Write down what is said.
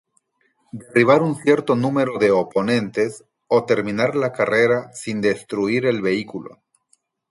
Derribar un cierto número de oponentes o terminar la carrera sin destruir el vehículo.